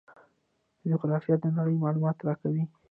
جغرافیه د نړۍ معلومات راکوي.